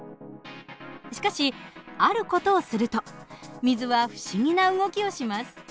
しかしある事をすると水は不思議な動きをします。